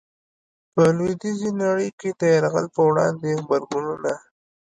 په لويديځي نړۍ کي د يرغل په وړاندي غبرګونونه